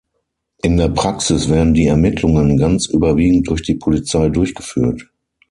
In der Praxis werden die Ermittlungen ganz überwiegend durch die Polizei durchgeführt.